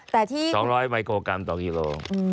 แต่ที่๒๐๐ไมโครกรัมต่อกิโล